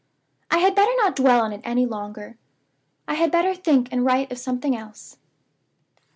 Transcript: "I had better not dwell on it any longer. I had better think and write of something else.